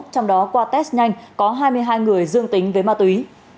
trong đó qua test nhanh có hai mươi hai người dương tính với ma túy